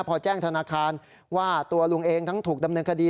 พอแจ้งธนาคารว่าตัวลุงเองทั้งถูกดำเนินคดี